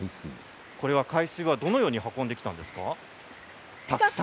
これは海水はどのように運んできたんですか。